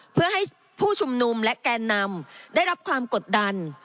เพื่อให้ผู้ชุมนุมและแกนนำได้รับความกดดัน